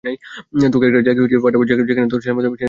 তোকে একটা জায়গায় পাঠাব যেখানে তোর মতো ছেলেদের দেখাশোনা করা হয়।